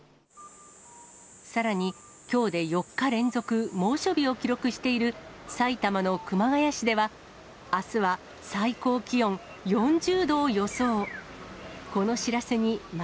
さらにきょうで４日連続猛暑日を記録している埼玉の熊谷市では、あすは最高気温４０度を予想。